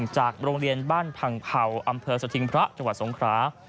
จากโรงเรียนบ้านพังเผ่าอำเภอสถิงพระจังหวัดสงครา